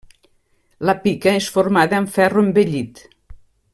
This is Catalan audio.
La pica és formada amb ferro envellit.